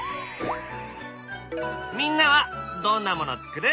みんなはどんなもの作る？